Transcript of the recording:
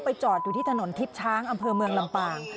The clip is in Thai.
จอดอยู่ที่ถนนทิพย์ช้างอำเภอเมืองลำปาง